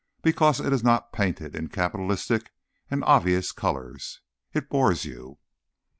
"Because it is not painted in capitalistic and obvious colors, it bores you?"